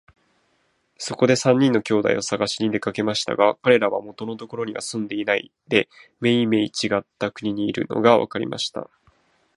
そこで三人の兄弟をさがしに出かけましたが、かれらは元のところには住んでいないで、めいめいちがった国にいるのがわかりました。